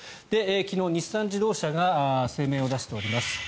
昨日、日産自動車が声明を出しております。